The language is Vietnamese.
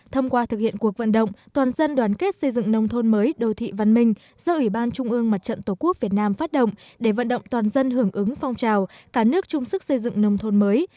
thông qua thực hiện cuộc vận động toàn dân đoàn kết xây dựng nông thôn mới đô thị văn minh do ủy ban trung ương mặt trận tổ quốc việt nam phát động để vận động toàn dân hưởng ứng phong trào cả nước chung sức xây dựng nông thôn mới